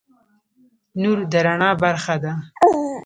نور د رڼا برخه ده.